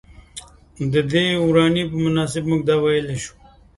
ددې دورانيې پۀ مناسبت مونږدا وئيلی شو ۔